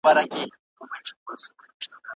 د اورېدو وېره د رواني ناروغۍ یوه نښه ده.